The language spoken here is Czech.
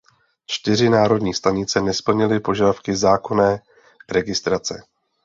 Čtyři národní stanice nesplnily požadavky zákonné registrace.